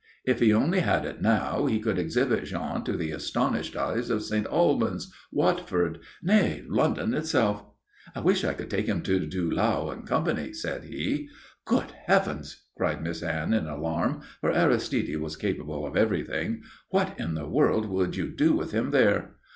If he only had it now he could exhibit Jean to the astonished eyes of St. Albans, Watford nay London itself! "I wish I could take him to Dulau & Company," said he. "Good Heavens!" cried Miss Anne in alarm, for Aristide was capable of everything. "What in the world would you do with him there?"